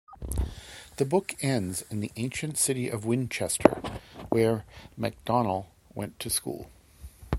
The book ends in the ancient city of Winchester, where Macdonell went to school.